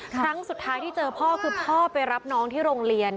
ครั้งสุดท้ายที่เจอพ่อคือพ่อไปรับน้องที่โรงเรียน